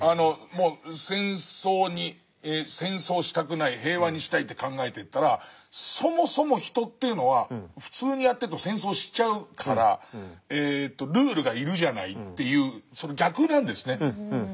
もう戦争したくない平和にしたいって考えてったらそもそも人というのは普通にやってると戦争しちゃうからルールが要るじゃないっていうその逆なんですね。